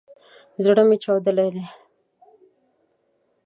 زړه مي چاودلی دی